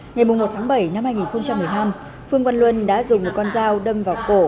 ngày một tháng bảy năm hai nghìn một mươi năm phương văn luân đã dùng một con dao đâm vào cổ